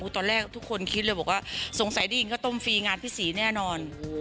ตอนแรกทุกคนคิดเลยบอกว่าสงสัยได้ยินข้าวต้มฟรีงานพี่ศรีแน่นอน